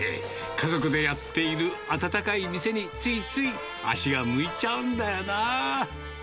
家族でやっている温かい店についつい足が向いちゃうんだよな。